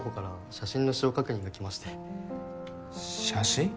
写真？